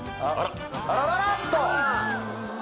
あらららっと！